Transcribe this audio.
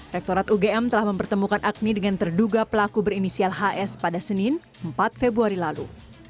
rektorat ugm telah mempertemukan agni dengan terduga pelaku berinisial hs pada senin empat februari lalu